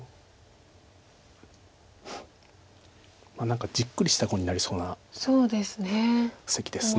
何かじっくりした碁になりそうな布石です。